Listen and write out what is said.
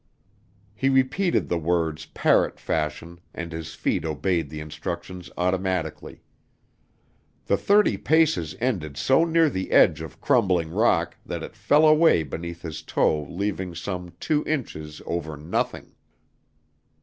He repeated the words parrot fashion and his feet obeyed the instructions automatically. The thirty paces ended so near the edge of crumbling rock that it fell away beneath his toe leaving some two inches over nothing.